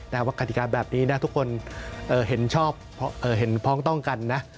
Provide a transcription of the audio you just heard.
แต่ว่ากรรติกาแบบนี้ทุกคนเห็นชอบเพราะเห็นพร้อมต้องกันนะ